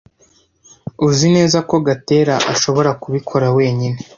Uzi neza ko Gatera ashobora kubikora wenyine?